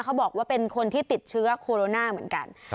เขาบอกว่าเป็นคนที่ติดเชื้อโคโรนาเหมือนกัน